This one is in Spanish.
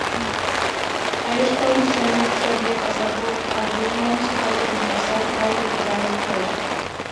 Ayrton Senna se había pasado a Williams para reemplazar al retirado Prost.